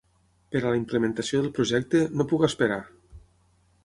Per a la implementació del projecte "no puc esperar!"